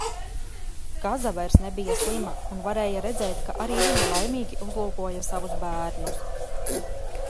Kaza vairs nebija slima un varēja redzēt, ka arī viņa laimīgi uzlūkoja savus bērnus.